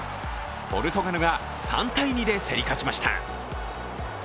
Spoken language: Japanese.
ポルトガルが３−２で競り勝ちました。